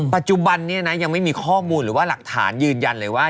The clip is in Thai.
ปัจจุบันนี้นะยังไม่มีข้อมูลหรือว่าหลักฐานยืนยันเลยว่า